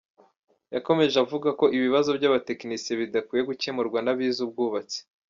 Yakomeje avuga ko ibibazo by’abatekinisiye bidakwiye gukemurwa n’abize n’ubwubatsi.